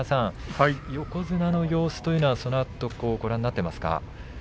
横綱の様子というのはそのあとご覧になっていますか？